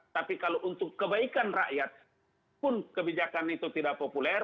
tapi kalau untuk kebaikan rakyat pun kebijakan itu tidak populer